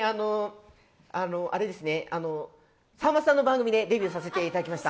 さんまさんの番組でデビューさせていただきました。